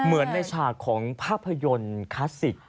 เหมือนในฉากของภาพยนตร์คลาสสิก